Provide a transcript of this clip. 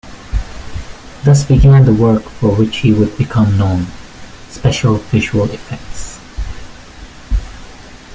Thus began the work for which he would become known-special visual effects.